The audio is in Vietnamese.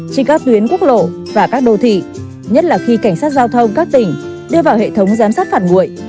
trên các tuyến quốc lộ và các đô thị nhất là khi cảnh sát giao thông các tỉnh đưa vào hệ thống giám sát phạt nguội